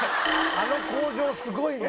あの口上すごいね。